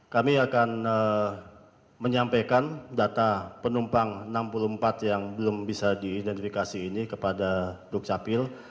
kami akan menyampaikan data penumpang enam puluh empat yang belum bisa diidentifikasi ini kepada dukcapil